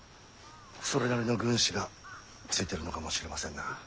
それなりの軍師がついてるのかもしれませんな。